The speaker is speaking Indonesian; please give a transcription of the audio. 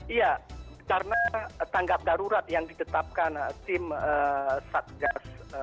iya karena tanggap darurat yang ditetapkan tim satgas